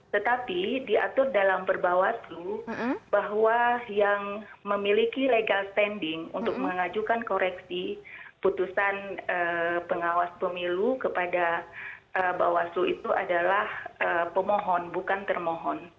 tetapi diatur dalam perbawaslu bahwa yang memiliki legal standing untuk mengajukan koreksi putusan pengawas pemilu kepada bawaslu itu adalah pemohon bukan termohon